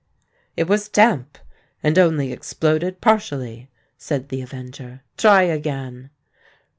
"It was damp, and only exploded partially," said the avenger. "Try again!"